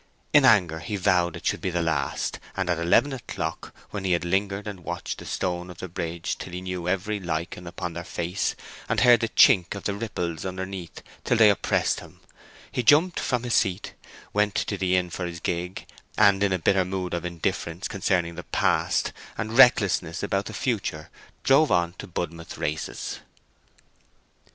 In anger he vowed it should be the last, and at eleven o'clock, when he had lingered and watched the stone of the bridge till he knew every lichen upon their face and heard the chink of the ripples underneath till they oppressed him, he jumped from his seat, went to the inn for his gig, and in a bitter mood of indifference concerning the past, and recklessness about the future, drove on to Budmouth races.